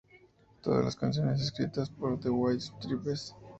Todas las canciones escritas por The White Stripes.